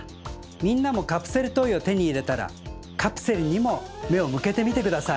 みんなもカプセルトイをてにいれたらカプセルにもめをむけてみてください。